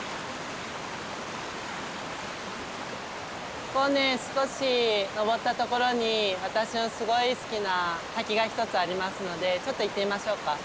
ここね少し登ったところに私のすごい好きな滝が一つありますのでちょっと行ってみましょうか。